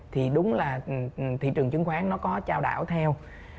thì đúng là thị trường chứng khoán nó có trao đảo theo